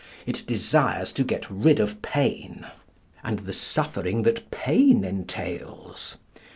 It desires to get rid of pain, and the suffering that pain entails.